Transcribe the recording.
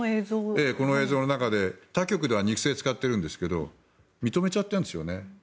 この映像の中で他局では偽のものを使ってるんですが認めちゃっているんですよね。